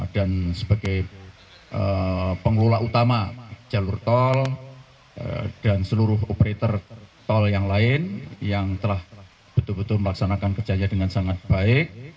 dan sebagai pengelola utama jalur tol dan seluruh operator tol yang lain yang telah betul betul melaksanakan kerjanya dengan sangat baik